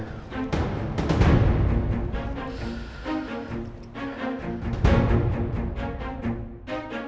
masih masih yakin